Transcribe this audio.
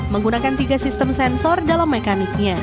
menggunakan tiga sistem sensor dalam mekaniknya